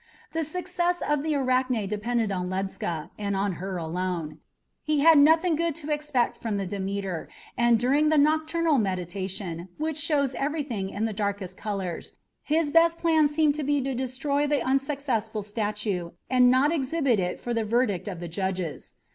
The success of the Arachne depended upon Ledscha, and on her alone. He had nothing good to expect from the Demeter, and during the nocturnal meditation, which shows everything in the darkest colours, his best plan seemed to be to destroy the unsuccessful statue and not exhibit it for the verdict of the judges.